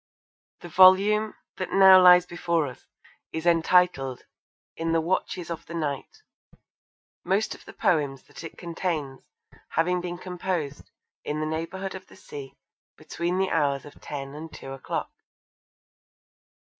The volume that now lies before us is entitled In the Watches of the Night, most of the poems that it contains having been composed 'in the neighbourhood of the sea, between the hours of ten and two o'clock.'